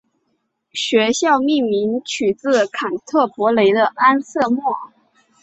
学院命名取自坎特伯雷的安瑟莫。